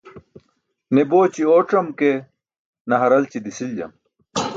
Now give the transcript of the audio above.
Ne booći ooc̣am ke, ne haralći disiljam.